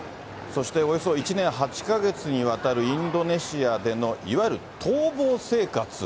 そしておよそ１年８か月にわたるインドネシアでの、いわゆる逃亡生活。